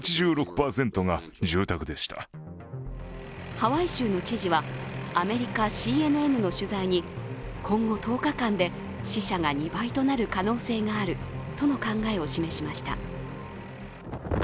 ハワイ州の知事はアメリカＣＮＮの取材に今後１０日間で死者が２倍となる可能性があるとの考えを示しました。